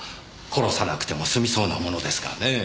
殺さなくても済みそうなものですがねぇ。